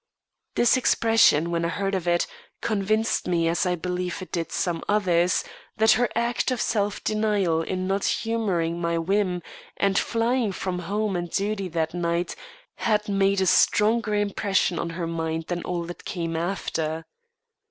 This expression, when I heard of it, convinced me, as I believe it did some others, that her act of self denial in not humouring my whim and flying from home and duty that night, had made a stronger impression on her mind than all that came after.